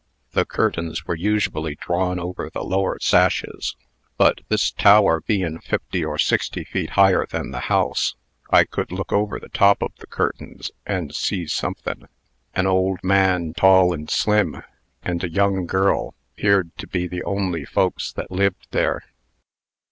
The curtains were usually drawn over the lower sashes; but, this tower bein' fifty or sixty feet higher than the house, I could look over the top of the curtains, and see somethin'. An old man, tall and slim, and a young girl, 'peared to be the only folks that lived there.